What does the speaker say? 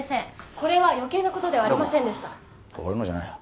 これは余計なことではありませんでした俺のじゃないよ